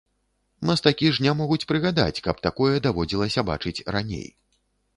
Мастакі ж не могуць прыгадаць, каб такое даводзілася бачыць раней.